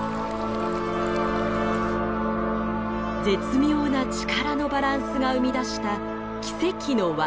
絶妙な力のバランスが生み出した奇跡の惑星